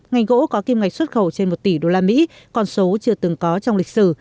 ngành gỗ có kim ngạch xuất khẩu trên một tỷ đô la mỹ còn số chưa từng có trong lịch sử